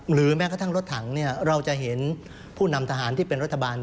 แม้กระทั่งรถถังเราจะเห็นผู้นำทหารที่เป็นรัฐบาล